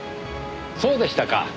そうでしたか。